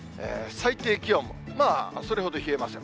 最低気温、それほど冷えません。